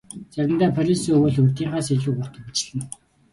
Заримдаа Парисын өвөл урьдынхаас илүү урт үргэлжилнэ.